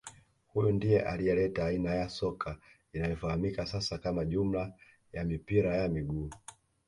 Huyu ndiye aliyeleta aina ya soka inayofahamika sasa kama jumla ya mipira ya miguu